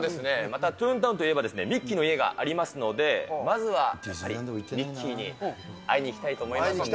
トゥーンタウンといえば、ミッキーの家がありますので、まずはミッキーに会いにいきたいと思いますんで。